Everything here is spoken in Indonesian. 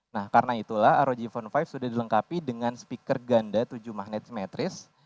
nah karena itulah rog phone lima sudah dilengkapi dengan speaker ganda tujuh magnet simetris